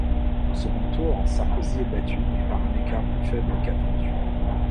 Au second tour, Sarkozy est battu mais par un écart plus faible qu'attendu.